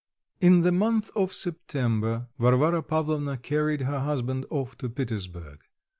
In the month of September, Varvara Pavlovna carried her husband off to Petersburg.